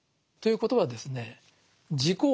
ということはですね